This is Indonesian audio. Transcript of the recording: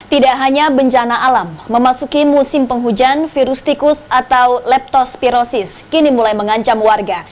tidak hanya bencana alam memasuki musim penghujan virus tikus atau leptospirosis kini mulai mengancam warga